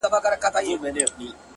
حسن خو زر نه دى چي څوك يې پـټ كــړي ـ